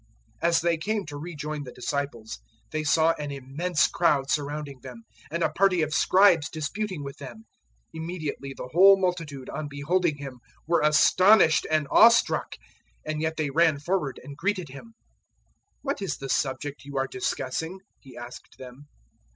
009:014 As they came to rejoin the disciples, they saw an immense crowd surrounding them and a party of Scribes disputing with them. 009:015 Immediately the whole multitude on beholding Him were astonished and awe struck, and yet they ran forward and greeted Him. 009:016 "What is the subject you are discussing?" He asked them.